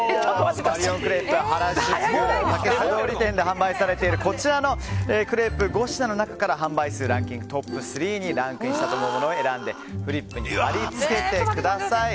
マリオンクレープ原宿竹下通り店で販売されているこちらのクレープ５品の中から販売数ランキングトップ３にランクインしたと思うものを選んでフリップに貼りつけてください。